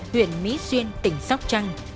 huyện mỹ xuyên tỉnh sóc trăng